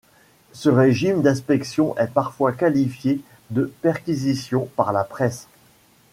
Ce régime d'inspection est parfois qualifié de perquisition par la presse.